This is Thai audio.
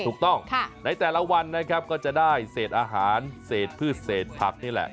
ถูกต้องในแต่ละวันนะครับก็จะได้เศษอาหารเศษพืชเศษผักนี่แหละ